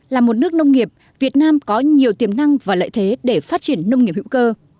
là một nước nông nghiệp việt nam có nhiều tiềm năng và lợi thế để phát triển nông nghiệp hữu cơ